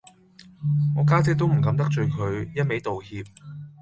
我家姐都唔敢得罪佢，一味道歉